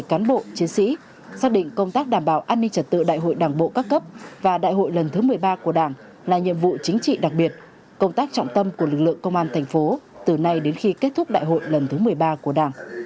cán bộ chiến sĩ xác định công tác đảm bảo an ninh trật tự đại hội đảng bộ các cấp và đại hội lần thứ một mươi ba của đảng là nhiệm vụ chính trị đặc biệt công tác trọng tâm của lực lượng công an thành phố từ nay đến khi kết thúc đại hội lần thứ một mươi ba của đảng